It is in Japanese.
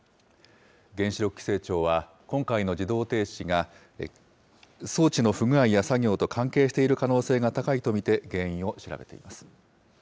原子力規制庁は、今回の自動停止が装置の不具合や作業と関係している可能性が高いと見て、原因を調べています。